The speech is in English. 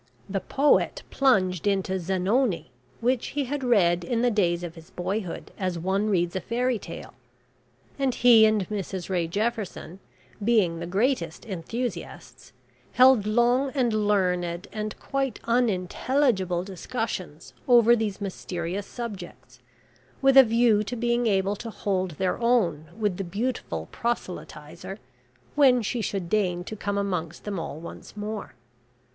The poet plunged into "Zanoni," which he had read in the days of his boyhood as one reads a fairy tale, and he and Mrs Ray Jefferson, being the greatest enthusiasts, held long and learned and quite unintelligible discussions over these mysterious subjects, with a view to being able to hold their own with the beautiful proselytiser when she should deign to come amongst them all once more.